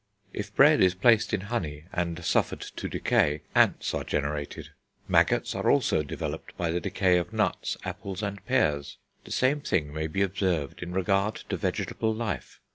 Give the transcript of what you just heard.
If bread is placed in honey, and suffered to decay, ants are generated ... maggots are also developed by the decay of nuts, apples, and pears. The same thing may be observed in regard to vegetable life.